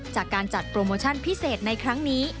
จากการจัดโปรโมชั่นพิเศษในครั้งนี้